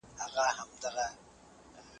زه لاس مينځلي دي